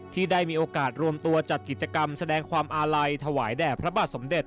ที่ได้มีโอกาสรวมตัวจัดกิจกรรมแสดงความอาลัยถวายแด่พระบาทสมเด็จ